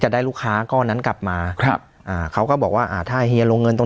ได้ลูกค้าก้อนนั้นกลับมาครับอ่าเขาก็บอกว่าอ่าถ้าเฮียลงเงินตรง